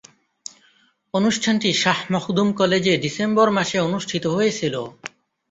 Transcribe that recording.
অনুষ্ঠানটি শাহ মখদুম কলেজে ডিসেম্বর মাসে অনুষ্ঠিত হয়েছিলো।